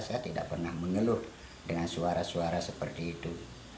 saya tidak pernah mengeluh dengan suara suara seperti itu